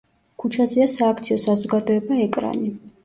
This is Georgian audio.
ქუჩაზეა სააქციო საზოგადოება „ეკრანი“.